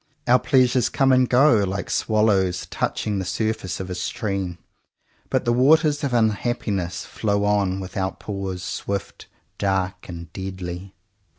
Our pleasures come and go, like swal lows touching the surface of a stream, but the waters of unhappiness flow on without pause, swift, dark, and deadly.